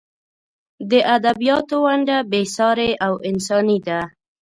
د ادبیاتو ونډه بې سارې او انساني ده.